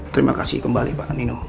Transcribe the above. terima kasih kembali pak nino